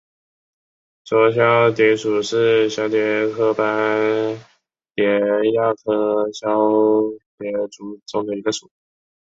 浊绡蝶属是蛱蝶科斑蝶亚科绡蝶族中的一个属。